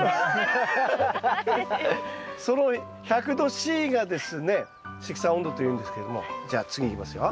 その１００℃がですね積算温度というんですけれどもじゃあ次いきますよ。